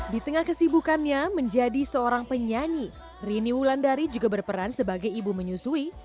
di tengah kesibukannya menjadi seorang penyanyi rini wulandari juga berperan sebagai ibu menyusui